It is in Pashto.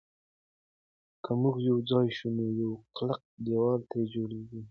که موږ یو ځای شو نو یو کلک دېوال ترې جوړېږي.